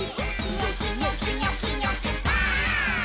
「ニョキニョキニョキニョキバーン！」